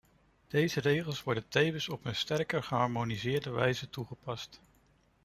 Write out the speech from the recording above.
Deze regels worden tevens op een sterker geharmoniseerde wijze toegepast.